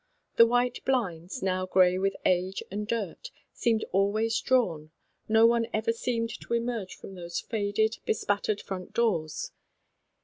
The white blinds— now grey with age and dirt seemed always drawn; no one ever seemed to emerge from those faded, bespattered front doors.